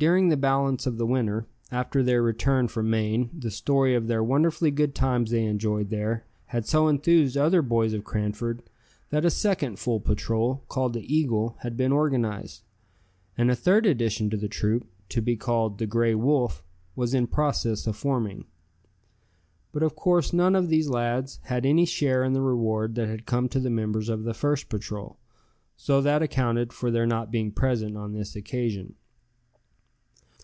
During the balance of the winter, after their return from Maine, the story of the wonderfully good times they enjoyed there had so enthused other boys of Cranford, that a second full patrol, called the Eagle, had been organized; and a third addition to the troop, to be called the Gray Wolf, was in process of forming. But of course none of these lads had any share in the reward that had come to the members of the first patrol; so that accounted for their not being present on his occasion.